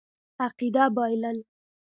عقیده بایلل.